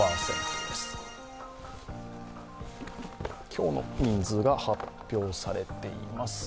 今日の人数が発表されています。